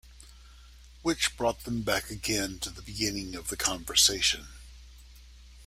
Which brought them back again to the beginning of the conversation.